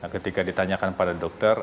ketika ditanyakan pada dokter